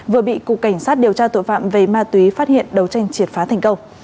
vừa bị cục cảnh sát điều tra tội phạm về ma túy phát hiện đấu tranh triệt phá thành công